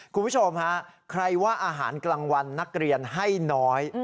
คุณผู้ชมฮะใครว่าอาหารกลางวันนักเรียนให้น้อย